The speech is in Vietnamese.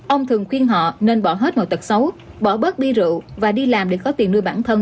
ông thường khuyên họ nên bỏ hết ngồi tật xấu bỏ bớt bia rượu và đi làm để có tiền nuôi bản thân